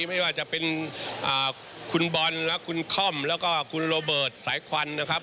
ไม่ว่าจะเป็นคุณบอลและคุณค่อมแล้วก็คุณโรเบิร์ตสายควันนะครับ